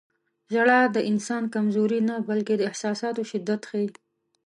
• ژړا د انسان کمزوري نه، بلکې د احساساتو شدت ښيي.